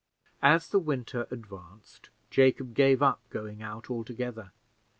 As the winter advanced, Jacob gave up going out altogether.